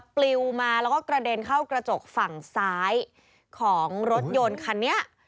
ปลิวมาแล้วก็กระเด็นเข้ากระจกฝั่งซ้ายของรถยนต์คันนี้